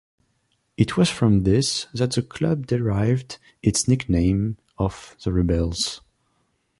It was from this that the club derived its nickname of "The Rebels".